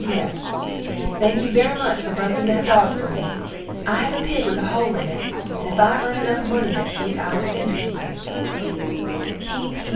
P.P.S. Thank you very much fer bustin that dog fer me. I have a pig with a hole in it and if I ern enuf money next weak I will send it to you.